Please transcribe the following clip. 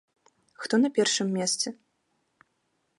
Хто на першым месцы?